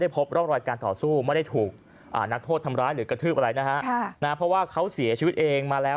เพราะว่าเขาเสียชีวิตเองมาแล้ว